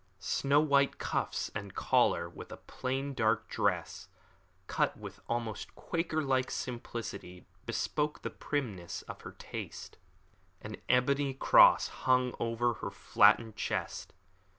Snow white cuffs and collar, with a plain dark dress, cut with almost Quaker like simplicity, bespoke the primness of her taste. An ebony cross hung over her flattened chest.